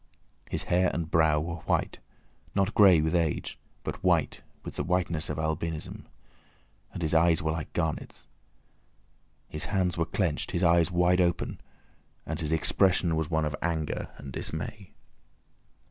His hair and brow were white—not grey with age, but white with the whiteness of albinism—and his eyes were like garnets. His hands were clenched, his eyes wide open, and his expression was one of anger and dismay.